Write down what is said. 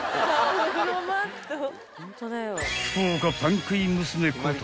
［福岡パン食い娘こと